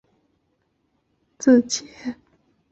每个汉字及符号以两个字节来表示。